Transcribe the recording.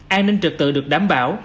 an ninh trực tự được đảm bảo